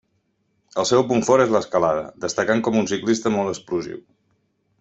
El seu punt fort és l'escalada, destacant com un ciclista molt explosiu.